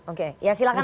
oke ya silahkan